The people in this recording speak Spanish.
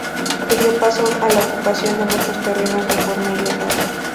Se dio paso a la ocupación de muchos terrenos de forma ilegal.